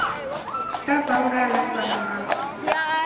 Saw'au ralaswa na magho.